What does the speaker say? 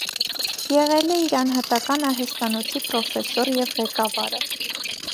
Եղել է իր անհատական արհեստանոցի պրոֆեսոր և ղեկավարը։